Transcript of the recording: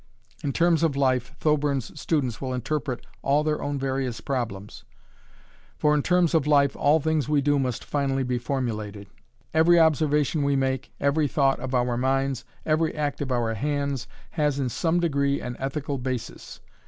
In terms of life, Thoburn's students will interpret all their own various problems, for in terms of life all things we do must finally be formulated. Every observation we make, every thought of our minds, every act of our hands has in some degree an ethical basis.